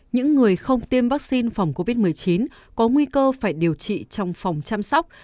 những người không tiêm vaccine phòng covid một mươi chín có nguy cơ phải điều trị trong phòng chăm sóc